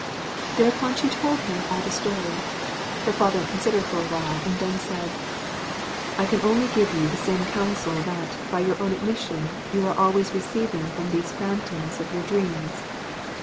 Thereupon she told him all the story. Her father considered for a while, and then said: 'I can only give you the same counsel that, by your own admission, you are always receiving from these phantoms of your dreams.